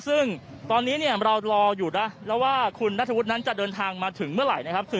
ซึ่งตอนนี้เนี่ยเรารออยู่นะแล้วว่าคุณนัทธวุฒินั้นจะเดินทางมาถึงเมื่อไหร่นะครับ